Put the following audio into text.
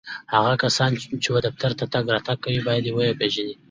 هغه کسان چي و دفتر ته تګ راتګ کوي ، باید و یې پېژني